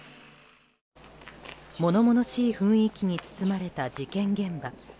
物々しい雰囲気に包まれた事件現場。